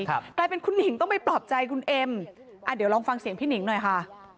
กลายเป็นคุณหนิงต้องไปปลอบใจคุณเอ็มอ่าเดี๋ยวลองฟังเสียงพี่หนิงหน่อยค่ะ